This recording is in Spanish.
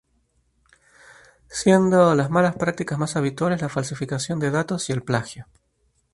Siendo las malas prácticas más habituales la falsificación de datos y el plagio.